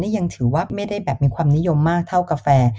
นี่ยังถือว่าไม่ได้แบบมีความนิยมมากเท่ากาแฟ